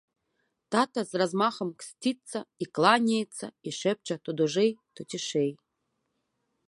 Тата з размахам ксціцца, і кланяецца, і шэпча то дужэй, то цішэй.